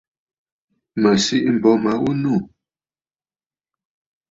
Mə̀ sìʼî m̀bô ma ghu nû.